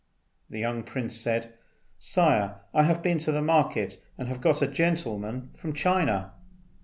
The young prince said, "Sire, I have been to the market, and have got a gentleman from China."